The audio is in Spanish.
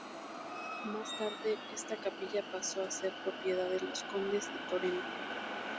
Más tarde, esta capilla pasó a ser propiedad de los condes de Toreno.